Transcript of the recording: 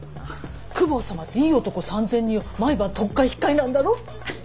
公方様っていい男３，０００人を毎晩取っ替え引っ替えなんだろ。